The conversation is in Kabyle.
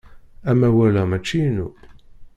Amawal-a mačči inu.